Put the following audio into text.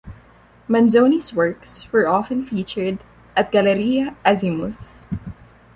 Manzoni's works were often featured at Galleria Azimuth.